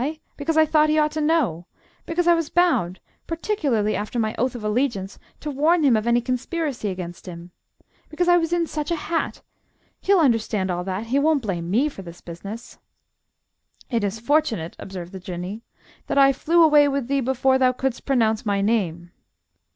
Because I thought he ought to know. Because I was bound, particularly after my oath of allegiance, to warn him of any conspiracy against him. Because I was in such a hat. He'll understand all that he won't blame me for this business." "It is fortunate," observed the Jinnee, "that I flew away with thee before thou couldst pronounce my name."